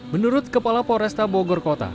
menurut kepala polresta bogor kota